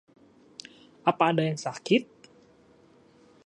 Apa ada yang sakit?